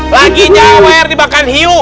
lagi njawer dibakan hiu